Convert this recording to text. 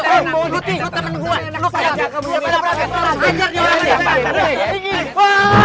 aneh aneh aneh